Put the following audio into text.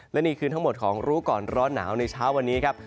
และนี่คือทั้งหมดของรู้ก่อนร้อนหนาวในเช้าวันนี้ครับ